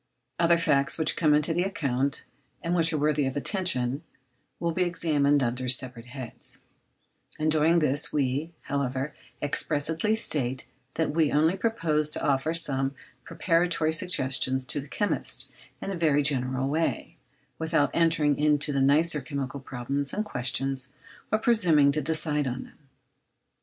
Other facts which come into the account, and which are worthy of attention, will be examined under separate heads; in doing this we, however, expressly state that we only propose to offer some preparatory suggestions to the chemist in a very general way, without entering into the nicer chemical problems and questions, or presuming to decide on them.